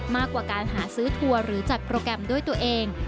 มากกว่าการหาซื้อทัวร์หรือจัดโปรแกรมด้วยตัวเอง